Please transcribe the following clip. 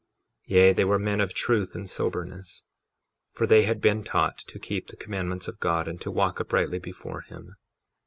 53:21 Yea, they were men of truth and soberness, for they had been taught to keep the commandments of God and to walk uprightly before him.